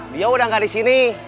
dia udah gak di sini